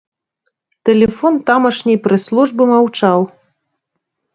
Тэлефон тамашняй прэс-службы маўчаў.